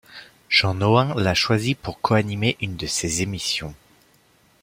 Jean Nohain la choisit pour co-animer une de ses émissions.